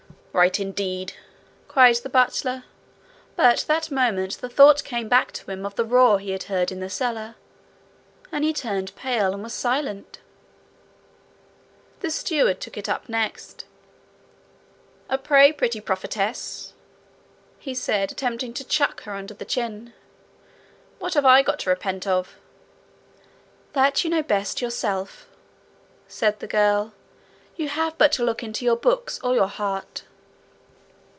'Right, indeed!' cried the butler; but that moment the thought came back to him of the roar he had heard in the cellar, and he turned pale and was silent. The steward took it up next. 'And pray, pretty prophetess,' he said, attempting to chuck her under the chin, 'what have I got to repent of?' 'That you know best yourself,' said the girl. 'You have but to look into your books or your heart.'